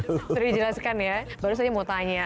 seru dijelaskan ya baru saya mau tanya